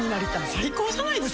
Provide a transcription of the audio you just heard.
最高じゃないですか？